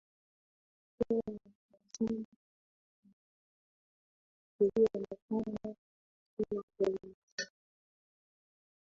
kuwa mtazamo wa jamii bado ilionekana ni watu wa kuhurumiwa tu